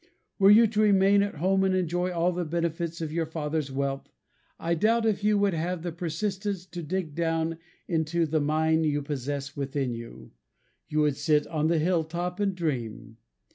Were you to remain at home and enjoy all the benefits of your father's wealth, I doubt if you would have the persistence to dig down into the mine you possess within you. You would sit on the hilltop and dream.